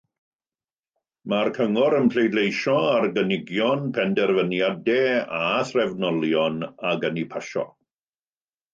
Mae'r cyngor yn pleidleisio ar gynigion, penderfyniadau a threfnolion ac yn eu pasio.